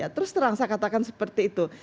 terus terang saya katakan seperti itu